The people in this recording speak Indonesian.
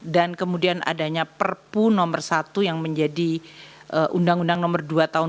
dan kemudian adanya perpu nomor satu yang menjadi undang undang nomor dua tahun dua ribu dua puluh